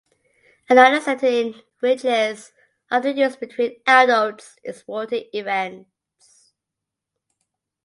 Another setting in which is often used between adults is sporting events.